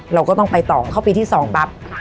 เราก็ต้องไปต่อเข้าปีที่๒ปั๊บ